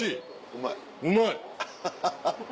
うまい。